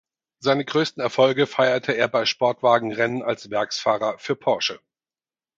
Seine größten Erfolge feierte er bei Sportwagenrennen als Werksfahrer für Porsche.